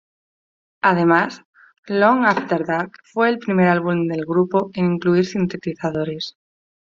Además, "Long After Dark" fue el primer álbum del grupo en incluir sintetizadores.